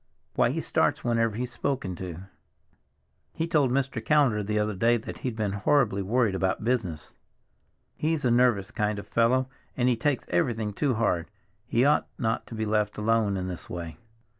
Why, he starts whenever he's spoken to. He told Mr. Callender the other day that he'd been horribly worried about business. He's a nervous kind of a fellow, and he takes everything too hard. He ought not to be left alone in this way."